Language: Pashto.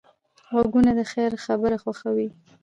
غوږونه د خیر خبره خوښوي